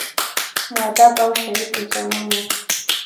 مودب او شریف انسانان وو.